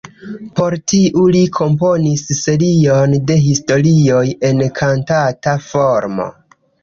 Por tiu li komponis serion de historioj en kantata formo.